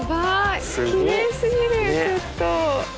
きれいすぎるちょっと。